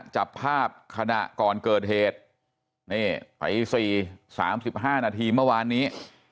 จับภาพขณะก่อนเกิดเหตุนี่ตี๔๓๕นาทีเมื่อวานนี้